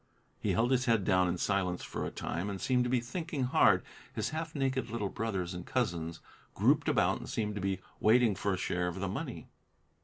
He held his head down in silence for a long time and seemed to be thinking hard. His half naked little brothers and cousins grouped about and seemed to be waiting for a share of the money.